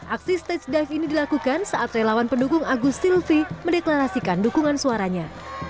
aksi stage dive ini dilakukan saat relawan pendukung agus silvi mendeklarasikan dukungan suaranya